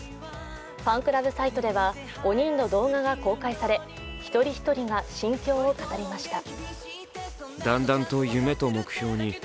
ファンクラブサイトでは５人の動画が公開され一人一人が心境を語りました。